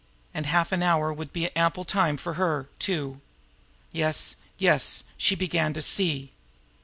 And half an hour would be ample time for her, too! Yes, yes, she began to see!